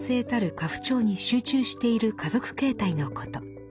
家父長に集中している家族形態のこと。